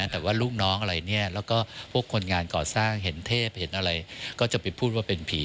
แต่ว่าลูกน้องอะไรเนี่ยแล้วก็พวกคนงานก่อสร้างเห็นเทพเห็นอะไรก็จะไปพูดว่าเป็นผี